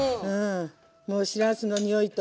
もうしらすのにおいと。